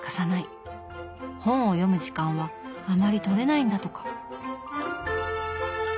本を読む時間はあまりとれないんだとか。